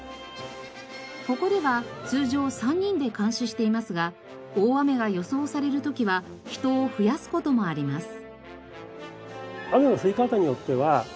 ここでは通常３人で監視していますが大雨が予想される時は人を増やす事もあります。